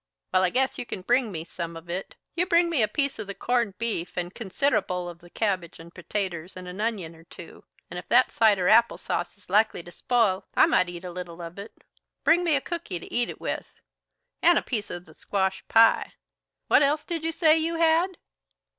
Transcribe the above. "Well, I guess you can bring me some of it. You bring me a piece of the corned beef and consid'able of the cabbage and potaters and an onion or two. And if that cider apple sauce is likely to spile, I might eat a little of it; bring me a cooky to eat with it. And a piece of the squash pie. What else did you say you had?"